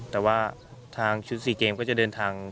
แต่ว่าทางชุด๔เกมก็จะเดินทาง